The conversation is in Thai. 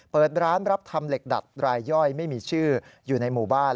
เปิดร้านรับทำเหล็กดัดรายย่อยไม่มีชื่ออยู่ในหมู่บ้าน